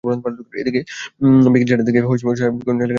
এদিকে বিকেল চারটার দিকে হাইমচরের সাহেবগঞ্জ এলাকায় মানিকের লাশ ভেসে ওঠে।